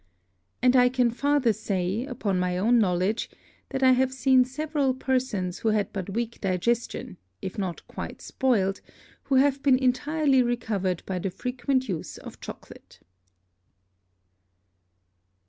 And I can farther say, upon my own Knowledge, that I have seen several Persons who had but weak Digestion, if not quite spoiled, who have been entirely recovered by the frequent Use of Chocolate.